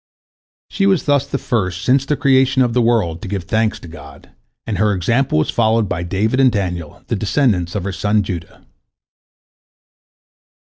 She was thus the first since the creation of the world to give thanks to God, and her example was followed by David and Daniel, the descendants of her son Judah.